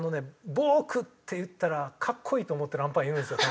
ボークって言ったらかっこいいと思ってるアンパイアいるんですよ